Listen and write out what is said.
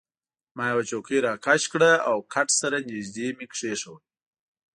ما یوه چوکۍ راکش کړل او کټ سره يې نژدې کښېښوول.